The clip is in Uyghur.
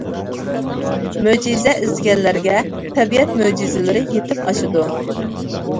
مۆجىزە ئىزدىگەنلەرگە تەبىئەت مۆجىزىلىرى يىتىپ ئاشىدۇ.